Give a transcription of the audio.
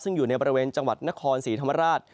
ซึ่งอยู่ในบริเวณจังหวัดนครศรีธรรมราช